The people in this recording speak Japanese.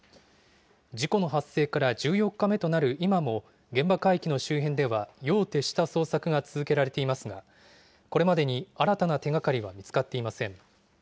事故の発生から１４日目となる今も、現場海域の周辺では、夜を徹した捜索が続けられていますが、これまでに新たな手がかりは見つかっていません。